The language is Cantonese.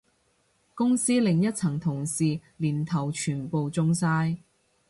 公司另一層同事年頭全部中晒